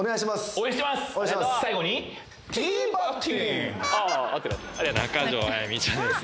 応援してます。